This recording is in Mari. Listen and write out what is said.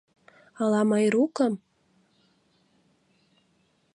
Ала Майрукым?